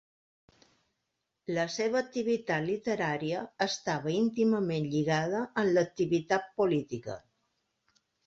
La seva activitat literària estava íntimament lligada amb l’activitat política.